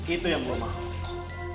itu yang gue mau